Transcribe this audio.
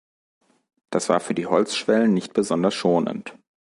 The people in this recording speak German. Das war für die Holzschwellen nicht besonders schonend.